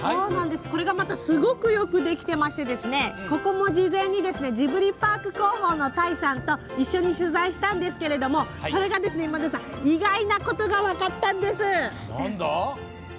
これがまたすごく、よくできてましてここも事前にジブリパーク広報の田井さんと一緒に取材したんですがそれが意外なことが分かったんです。